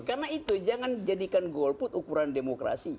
karena itu jangan jadikan golput ukuran demokrasi